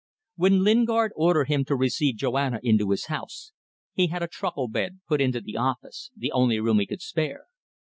When Lingard ordered him to receive Joanna into his house, he had a truckle bed put into the office the only room he could spare.